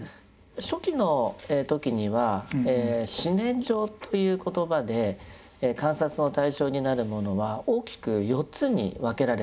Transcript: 初期の時には「四念処」という言葉で観察の対象になるものは大きく４つに分けられていました。